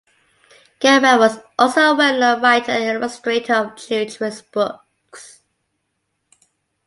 Gutman was also a well-known writer and illustrator of children's books.